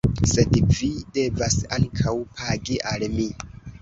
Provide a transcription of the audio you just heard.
Sed vi devas ankaŭ pagi al mi!